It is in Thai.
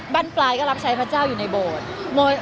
ปลายก็รับใช้พระเจ้าอยู่ในโบสถ์